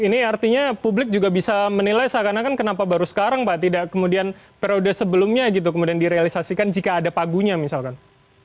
ini artinya publik juga bisa menilai seakan akan kenapa baru sekarang pak tidak kemudian periode sebelumnya gitu kemudian direalisasikan jika ada pagunya misalkan